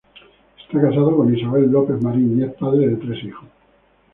Está casado con Isabel López-Marín y es padre de tres hijos.